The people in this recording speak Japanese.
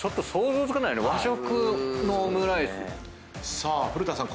さあ古田さん